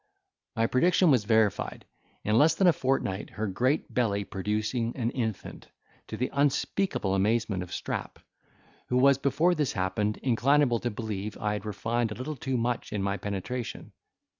My prediction was verified in less than a fortnight, her great belly producing an infant, to the unspeakable amazement of Strap, who was before this happened, inclinable to believe I had refined a little too much in my penetration.